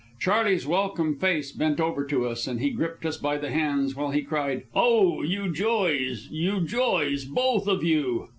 Charley's welcome face bent over to us, and he gripped us by the hands while he cried, "Oh, you joys! You joys! Both of you!"